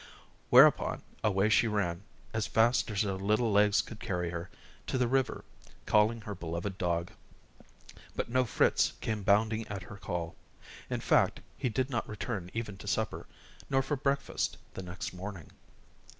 Whereupon away she ran, as fast as her little legs could carry her, to the river, calling her beloved dog. But no Fritz came bounding at her call. In fact, he did not return even to supper, nor for breakfast the next morning.